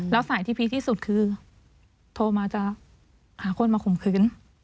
แล้วสายที่พีคที่สุดคือโทรมาจะหาคนมาข่มขืน